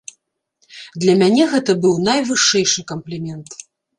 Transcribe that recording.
Для мяне гэта быў найвышэйшы камплімент.